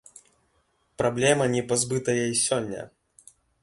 Праблема, не пазбытая і сёння.